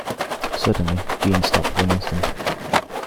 Suddenly Jeanne stopped for an instant.